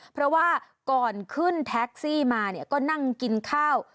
เพราะว่าก่อนขึ้นแท็กซี่มาเนี่ยก็นั่งกินข้าว